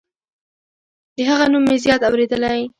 د هغه نوم مې زیات اوریدلی